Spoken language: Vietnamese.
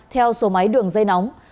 theo số máy đường dây nóng